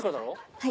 はい。